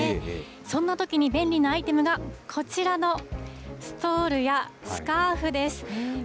そんなときに便利なアイテムがこちらのストールや、スカーフです。